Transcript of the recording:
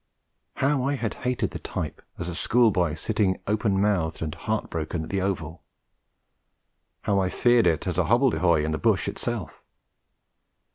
How I had hated the type as a schoolboy sitting open mouthed and heart broken at the Oval! How I had feared it as a hobble de hoy in the bush itself!